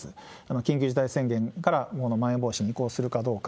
緊急事態宣言からまん延防止に移行するかどうか。